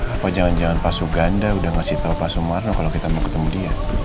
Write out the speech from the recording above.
apa jangan jangan pak suganda udah ngasih tau pak sumarno kalau kita mau ketemu dia